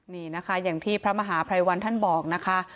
นี่นะคะอย่างที่พระมหาภัยวันท่านบอกนะคะ